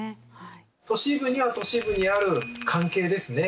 都市部には都市部にある関係ですね。